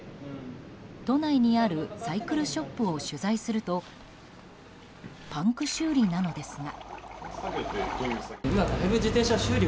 都内にあるサイクルショップを取材するとパンク修理なのですが。